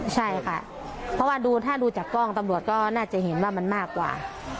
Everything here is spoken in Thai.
ใช่ค่ะเพราะว่าดูถ้าดูจากกล้องตำรวจก็น่าจะเห็นว่ามันมากกว่า